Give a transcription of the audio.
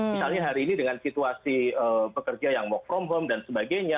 misalnya hari ini dengan situasi pekerja yang work from home dan sebagainya